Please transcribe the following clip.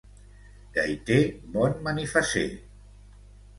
Gaiter, bon manifasser.